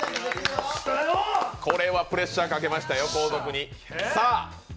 これはプレッシャーかけましたよ、後続に。